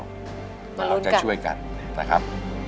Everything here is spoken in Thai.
เราจะช่วยกันนะครับ